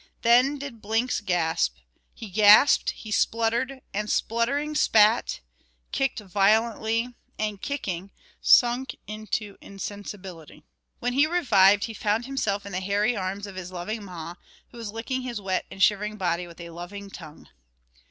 Then did Blinks gasp, he gasped, he spluttered and spluttering spat, kicked violently, and kicking, sunk into insensibility. When he revived, he found himself in the hairy arms of his loving ma, who was licking his wet and shivering body with loving tongue.